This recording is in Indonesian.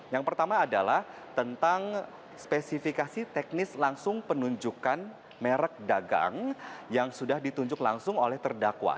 yang pertama adalah tentang spesifikasi teknis langsung penunjukan merek dagang yang sudah ditunjuk langsung oleh terdakwa